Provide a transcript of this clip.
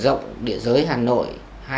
rộng địa giới hà nội hai nghìn tám